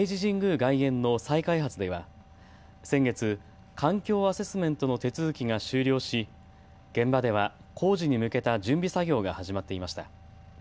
外苑の再開発では先月、環境アセスメントの手続きが終了し現場では工事に向けた準備作業が始まっていました。